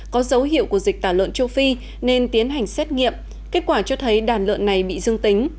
có dấu hiệu của dịch tả lợn châu phi nên tiến hành xét nghiệm kết quả cho thấy đàn lợn này bị dương tính